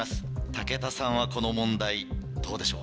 武田さんはこの問題どうでしょう？